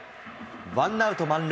ワンアウト満塁。